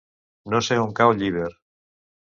No sé on cau Llíber.